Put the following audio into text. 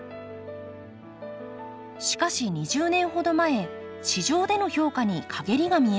しかし２０年ほど前市場での評価にかげりが見えました。